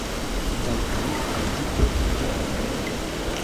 Dankon al vi pro via agado!